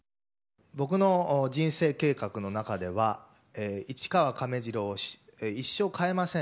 僕の人生計画の中では市川亀治郎を一生変えません